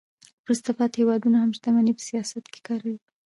وروسته پاتې هیوادونه هم شتمني په سیاست کې کاروي